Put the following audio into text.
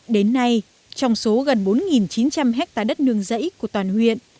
đến nay trong số gần bốn chín trăm linh hectare đất nương dẫy của toàn huyện